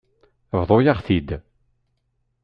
Bḍu-yaɣ-t-id.